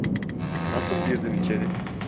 Nasıl girdin içeri?